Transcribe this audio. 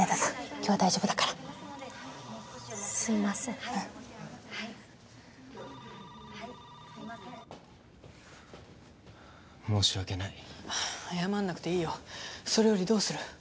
今日は大丈夫だからすいません申し訳ない謝んなくていいよそれよりどうする？